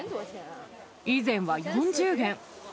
以前は４０元。